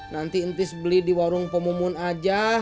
nanti intis beli di warung pemumun aja